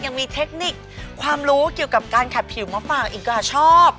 ยังมีเทคนิคความรู้เกี่ยวกับการขัดผิวมาฝากอีกค่ะชอบ